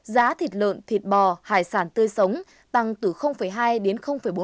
giá thịt lợn thịt bò hải sản tươi sống tăng từ hai đến bốn